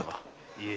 いえ！